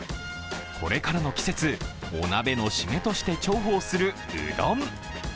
これからの季節、お鍋の締めとして重宝するうどん。